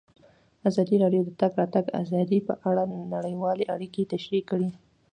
ازادي راډیو د د تګ راتګ ازادي په اړه نړیوالې اړیکې تشریح کړي.